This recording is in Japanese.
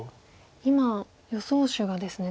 今予想手がですね